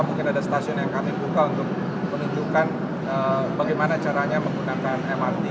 mungkin ada stasiun yang kami buka untuk menunjukkan bagaimana caranya menggunakan mrt